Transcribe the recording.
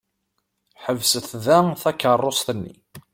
Ḥebset da takeṛṛust-nni.